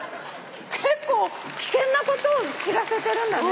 結構危険なことを知らせてるんだね。